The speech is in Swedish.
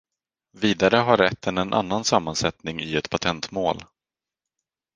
Vidare har rätten en annan sammansättning i ett patentmål.